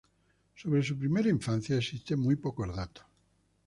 Sobre su primera infancia existen muy pocos datos.